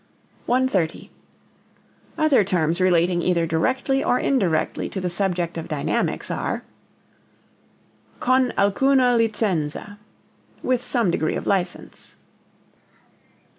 130. Other terms relating either directly or indirectly to the subject of dynamics are: Con alcuna licenza with some degree of license.